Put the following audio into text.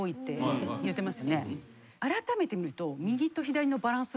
あらためて見ると。